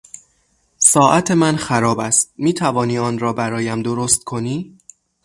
ساعت من خراب است; میتوانی آن را برایم درست کنی؟